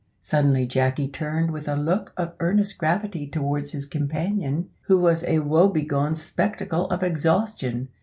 Suddenly Jacky turned with a look of earnest gravity towards his companion, who was a woebegone spectacle of exhaustion.